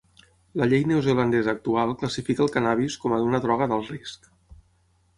La llei neozelandesa actual classifica el cànnabis com a una droga d'alt risc.